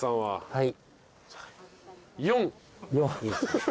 はい。